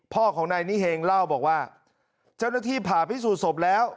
พ่อของนายนิเฮงเล่าบอกว่าเจ้าหน้าที่ผ่าพิสูจนศพแล้ว